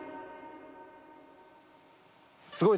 すごい。